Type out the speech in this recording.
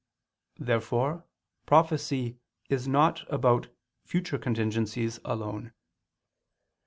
Therefore prophecy is not about future contingencies alone.